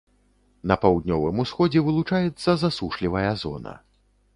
На паўднёвым усходзе вылучаецца засушлівая зона.